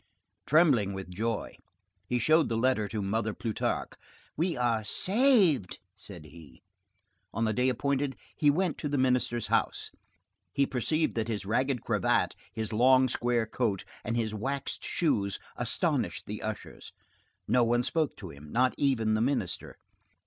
Trembling with joy, he showed the letter to Mother Plutarque. "We are saved!" said he. On the day appointed, he went to the Minister's house. He perceived that his ragged cravat, his long, square coat, and his waxed shoes astonished the ushers. No one spoke to him, not even the Minister.